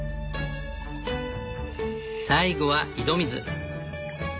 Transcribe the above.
最後は井戸水。